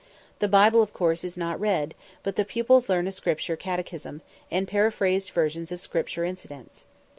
The Bible, of course, is not read, but the pupils learn a Scripture catechism, and paraphrased versions of Scripture incidents.